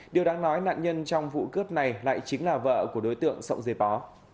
điều đáng nói nạn nhân trong vụ cướp này lại chính là vợ của đối tượng sộng dê bó